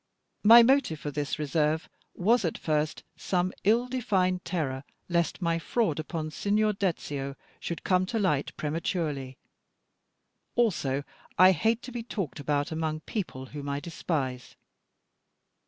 My motive for this reserve was at first some ill defined terror lest my fraud upon Signor Dezio should come to light prematurely. Also I hate to be talked about among people whom I despise.